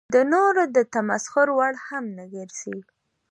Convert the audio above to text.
د نورو د تمسخر وړ هم نه ګرځي.